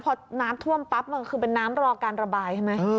พอน้ำท่วมปั๊บมันคือเป็นน้ำรอการระบายใช่ไหม